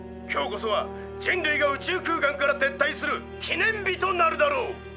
今日こそは人類が宇宙空間から撤退する記念日となるだろう」。